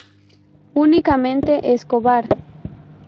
Únicamente Escobar.